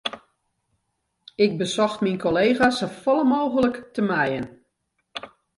Ik besocht myn kollega's safolle mooglik te mijen.